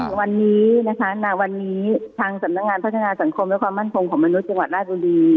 วันนี้นะคะณวันนี้ทางสำนักงานพัฒนาสังคมและความมั่นคงของมนุษย์จังหวัดราชบุรี